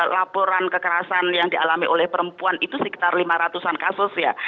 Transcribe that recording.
laporan kekerasan yang dialami oleh perempuan itu sekitar lima ratus an kasus ya